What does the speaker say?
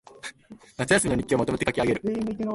夏休みの日記をまとめて書きあげる